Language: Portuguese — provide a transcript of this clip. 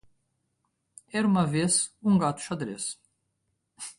Era uma vez, um gato xadrez.